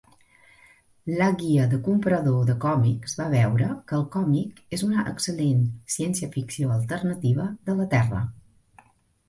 La Guia de comprador de còmics va veure que el còmic és una excel·lent ciència ficció alternativa de la Terra.